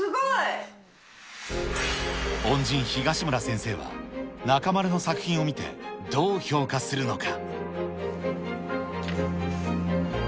恩人、東村先生は中丸の作品を見て、どう評価するのか。